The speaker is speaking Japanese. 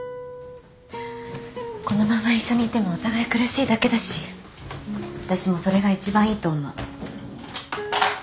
このまま一緒にいてもお互い苦しいだけだし私もそれが一番いいと思う